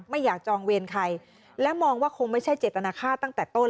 ไม่อยากจองเวรใครและมองว่าคงไม่ใช่เจตนาค่าตั้งแต่ต้น